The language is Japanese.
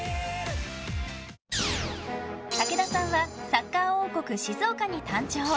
武田さんはサッカー王国、静岡に誕生。